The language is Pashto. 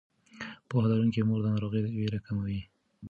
پوهه لرونکې مور د ناروغۍ ویره کموي.